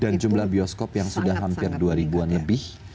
dan jumlah bioskop yang sudah hampir dua ribu an lebih